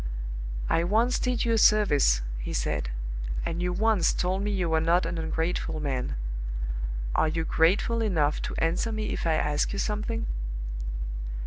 "I once did you a service," he said; "and you once told me you were not an ungrateful man. Are you grateful enough to answer me if I ask you something?"